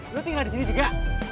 lu tinggal di sini juga